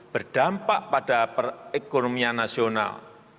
berdampak pada perekonomian nasional